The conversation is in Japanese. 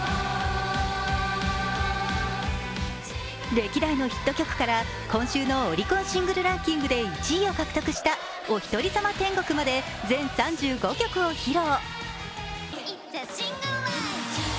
歴代のヒット曲から今週のオリコンシングルランキングで１位を獲得した「おひとりさま天国」まで全３５曲を披露。